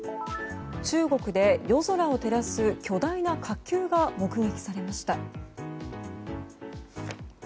中国で夜空を照らす巨大な火球が目撃されました。